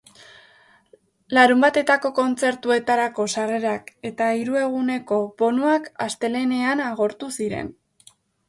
Larunbateko kontzertuetarako sarrerak eta hiru eguneko bonuak astelehenean agortu ziren.